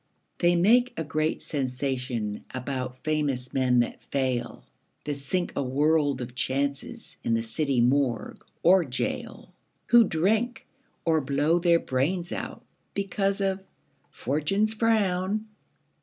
They make a great sensation About famous men that fail, That sink a world of chances In the city morgue or gaol, Who drink, or blow their brains out, Because of "Fortune's frown".